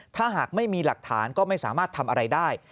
ถ้าหากไม่มีหลักฐานก็ไม่สามารถทำอะไรได้